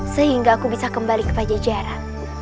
sehingga aku bisa kembali ke pajajaran